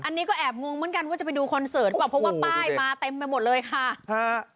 อันนี้ก็แอบงงเหมือนกันว่าจะไปดูคอนเสิร์ตหรือเปล่าเพราะว่าป้ายมาเต็มไปหมดเลยค่ะฮะ